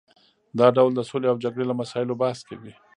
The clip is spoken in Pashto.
دا ډول د سولې او جګړې له مسایلو بحث کوي